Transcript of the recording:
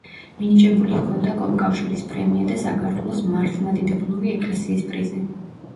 მინიჭებული ჰქონდა კომკავშირის პრემია და საქართველოს მართლმადიდებლური ეკლესიის პრიზი.